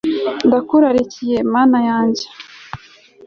ndakurarikiye mana yanjye